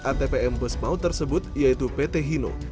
atpm bespau tersebut yaitu pt hino